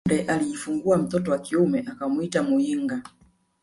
Semduda alijifungua mtoto wa kiume akamuita Muyinga